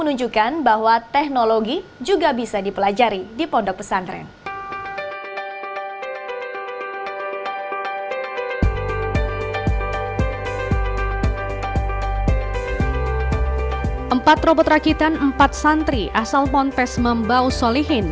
empat robot rakitan empat santri asal montes membau solihin